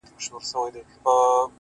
وېريږي نه خو انگازه يې بله!!